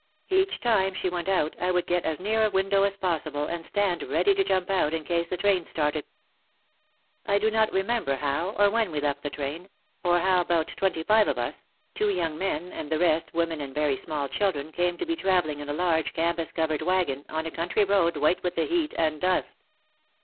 Each time she went out I would get as near a window as possible and stand ready to jump out in case the train started. I do not remember how or when we left the train, or how about twenty five of us, two young men and the 54 OUT OF THE SHADOW rest women and very small children, came to be travelling in a large, canvas covered wagon, on a country road white with the heat and dust.